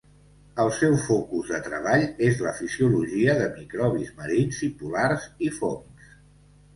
El seu focus de treball és la fisiologia de microbis marins i polars, i fongs.